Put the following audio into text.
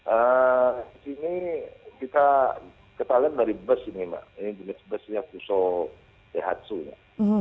di sini kita ketahui dari bus ini mbak ini jenis busnya puso ehatsu ya